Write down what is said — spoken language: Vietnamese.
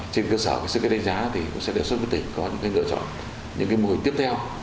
trên cơ sở sơ kết đánh giá cũng sẽ đề xuất cho tỉnh có những lựa chọn những mô hình tiếp theo